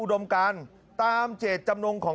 สมัยไม่เรียกหวังผม